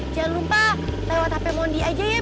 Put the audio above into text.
jangan lupa lewat hp mondi aja ya